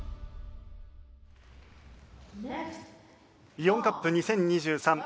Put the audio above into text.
イオンカップ２０２３